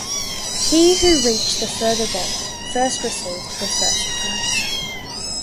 He who reached the further goal first received the first prize.